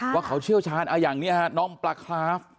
ว่าเขาเชี่ยวชาญอย่างนี้ฮะน้องปลาคลาฟ